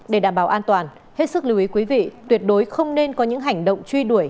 để đảm bảo an toàn hết sức lưu ý quý vị tuyệt đối không nên có những hành động truy đuổi